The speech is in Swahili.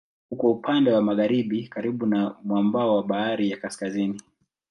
Uko upande wa magharibi karibu na mwambao wa Bahari ya Kaskazini.